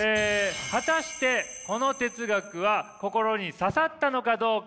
果たしてこの哲学は心に刺さったのかどうか。